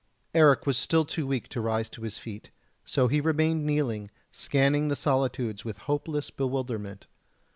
Eric was still too weak to rise to his feet, so he remained kneeling, scanning the solitudes with hopeless bewilderment.